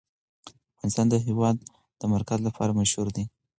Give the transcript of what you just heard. افغانستان د د هېواد مرکز لپاره مشهور دی.